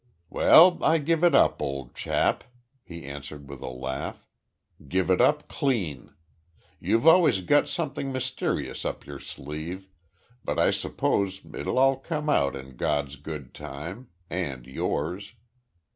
"Well I give it up, old chap," he answered with a laugh. "Give it up clean. You've always got something mysterious up your sleeve, but I suppose it'll all come out in God's good time and yours.